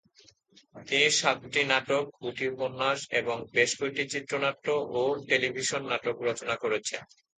তিনি সাতটি নাটক, দুটি উপন্যাস এবং বেশ কয়েকটি চিত্রনাট্য ও টেলিভিশন নাটক রচনা করেছেন।